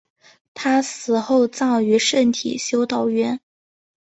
她死后葬于圣体修道院。